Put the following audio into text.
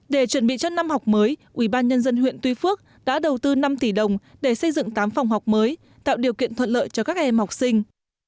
để chuẩn bị cho năm học mới ubnd huyện tuy phước đã đầu tư năm tỷ đồng để xây dựng tám phòng học mới tạo điều kiện thuận lợi cho các em học sinh